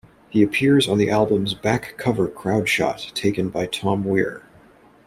He appears on the album's back cover crowd shot taken by Tom Weir.